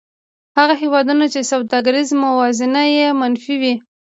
هغه هېوادونه چې سوداګریزه موازنه یې منفي وي